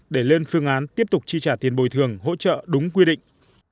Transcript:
để lên phương án tiếp tục chi trả tiền bồi thường hỗ trợ đúng quy định